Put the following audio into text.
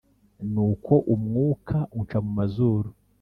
nuko umwuka unca mu mazuru